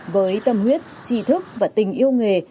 với tâm huyết trí thức và tình yêu nghề